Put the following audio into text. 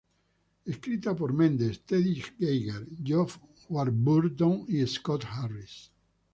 Escrita por Mendes, Teddy Geiger, Geoff Warburton y Scott Harris.